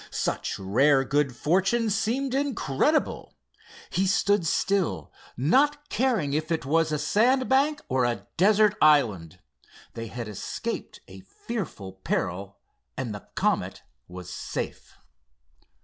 Such rare good fortune seemed incredible. He stood still, not caring if it was a sand bank or a desert island. They had escaped a fearful peril—and the Comet was safe.